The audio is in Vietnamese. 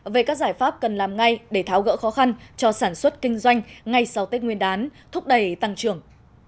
về các giải pháp cần làm ngay để tháo gỡ khó khăn cho sản xuất kinh doanh ngay sau tết nguyên đán thúc đẩy tăng trưởng